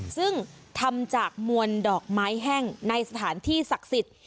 ซึ่งทำจากมวลดอกไม้แห้งในสถานที่ศักดิ์สิทธิ์